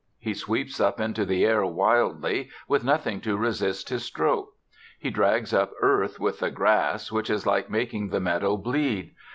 He sweeps up into the air wildly, with nothing to resist his stroke. He drags up earth with the grass, which is like making the meadow bleed.